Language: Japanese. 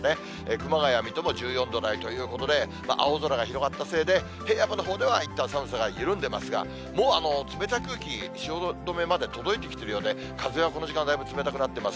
熊谷、水戸も１４度台ということで、青空が広がったせいで、平野部のほうでは、いったん寒さが緩んでますが、もう冷たい空気、汐留まで届いてきてるようで、風はこの時間だいぶ冷たくなっています。